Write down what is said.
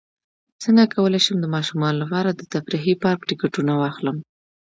څنګه کولی شم د ماشومانو لپاره د تفریحي پارک ټکټونه واخلم